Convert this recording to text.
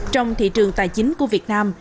trong thị trường tài chính của việt nam